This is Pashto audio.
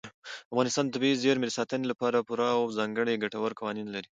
افغانستان د طبیعي زیرمې د ساتنې لپاره پوره او ځانګړي ګټور قوانین لري.